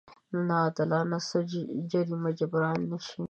ناعادلانه څه جريمه جبران نه شي.